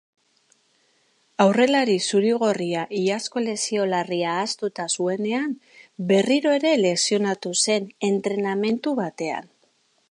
Aurrelari zuri-gorria iazko lesio larria ahaztuta zuenean berriro ere lesionatu zen entrenamendu batean.